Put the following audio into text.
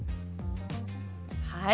はい。